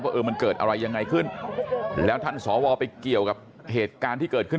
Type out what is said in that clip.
เออมันเกิดอะไรยังไงขึ้นแล้วท่านสวไปเกี่ยวกับเหตุการณ์ที่เกิดขึ้น